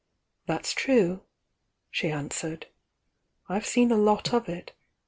Thats true!" she answered. "I've seen a lot of ^d ?"U?